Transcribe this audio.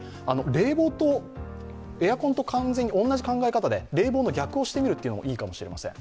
冷房とエアコンと完全に同じ考え方で冷房と逆をしてみるというのがいいかもしれません。